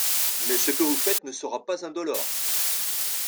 Mais ce que vous faites ne sera pas indolore.